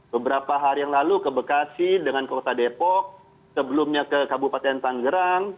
beberapa hari yang lalu ke bekasi dengan kota depok sebelumnya ke kabupaten tanggerang